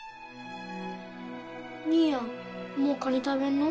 兄やんもうカニ食べんの？